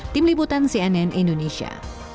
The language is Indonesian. tim liputan cnn indonesia